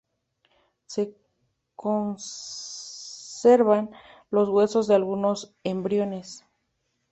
Se conservan los huesos de algunos embriones.